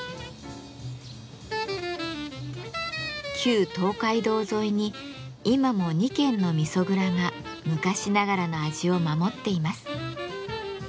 旧東海道沿いに今も２軒の味噌蔵が昔ながらの味を守っています。